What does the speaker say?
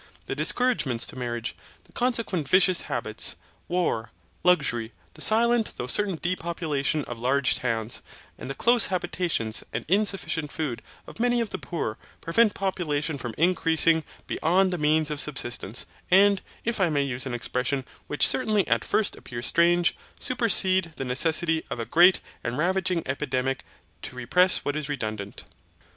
The discouragements to marriage, the consequent vicious habits, war, luxury, the silent though certain depopulation of large towns, and the close habitations, and insufficient food of many of the poor, prevent population from increasing beyond the means of subsistence; and, if I may use an expression which certainly at first appears strange, supercede the necessity of great and ravaging epidemics to repress what is redundant.